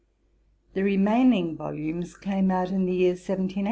The remaining volumes came out in the year 1780.